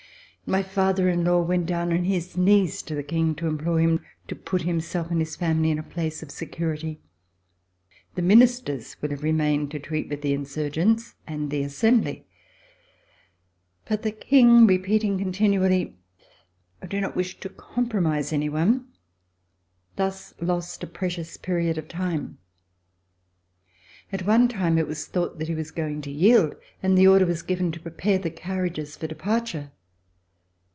My father in law went down on his knees to the King to implore him to put himself and his family in a place of security. The Ministers would have remained to treat with the insurgents and the Assembly. But the King, repeat ing continually, "I do not wish to compromise any one," thus lost a precious period of time. At one time it was thought that he was going to yield, and the order was given to prepare the carriages for de parture.